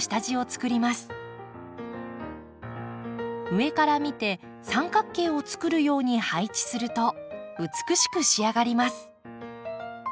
上から見て三角形をつくるように配置すると美しく仕上がります。